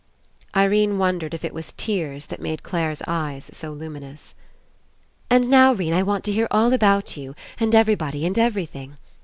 Irene wondered if it was tears that made Clare's eyes so luminous. "And now 'Rene, I want to hear all about you and everybody and everything.